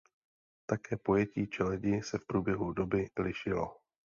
Také pojetí čeledi se v průběhu doby lišilo.